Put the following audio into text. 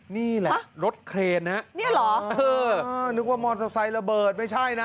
นี่แหละรถเครนนะเนี่ยเหรอเออนึกว่ามอเตอร์ไซค์ระเบิดไม่ใช่นะ